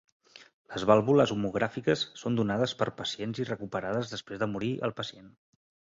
Les vàlvules homogràfiques són donades per pacients i recuperades després de morir el pacient.